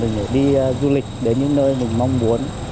cái ngôi nhà của mình để đi du lịch đến những nơi mình mong muốn